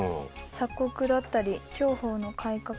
鎖国だったり享保の改革。